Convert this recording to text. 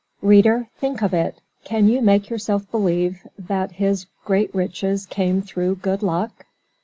Reader, think of it; can you make yourself believe that his great riches came through 'good luck'?